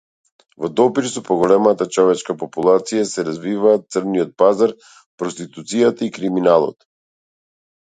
Во допир со поголемата човечка популација се развиваат црниот пазар, проституцијата и криминалот.